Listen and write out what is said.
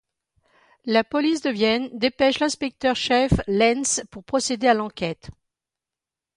La police de Vienne dépêche l'inspecteur chef Lenz pour procéder à l'enquête.